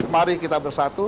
mari kita bersatu